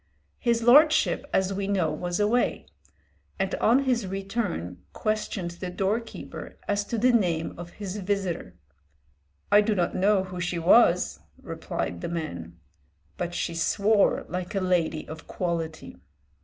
His lordship, as we know, was away, and on his return questioned the doorkeeper as to the name of his visitor. "I do not know who she was," replied the man, "but she swore like a lady of quality."